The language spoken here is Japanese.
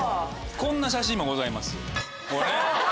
こんな写真もございます。